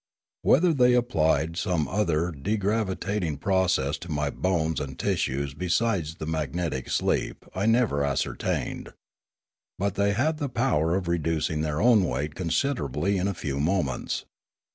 Whether they applied some other degravitating process to my bones and tissues besides the magnetic sleep I never ascertained. But they had the power of reducing their own weight considerably in a few moments.